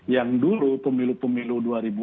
yang dulu pemilu pemilu dua ribu empat belas